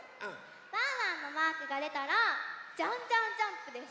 ワンワンのマークがでたら「じゃんじゃん！ジャンプ！！」です。